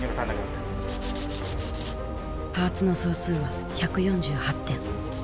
パーツの総数は１４８点。